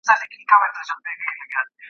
زه له ډېر وخت راهیسې په دې فکر کي یم.